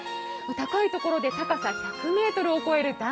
高いところで高さ１００ｍを超える。